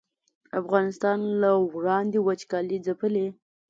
افغانستان له وړاندې وچکالۍ ځپلی